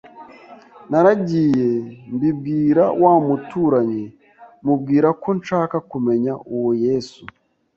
naragiye mbibwira wa muturanyi, mubwira ko nshaka kumenya uwo Yesu